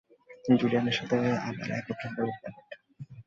জুলিয়ানের সাথে আবার একত্র হবার ব্যাপারটা।